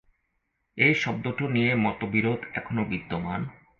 এই শব্দটি নিয়ে মতবিরোধ এখনো বিদ্যমান।